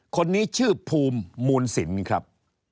คนนี้ชื่อภูมิมูลสินครับ